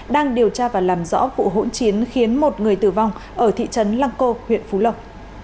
đang điều tra và làm rõ vụ hỗn chiến khiến một người tử vong ở thị trấn lăng cô huyện phú lộc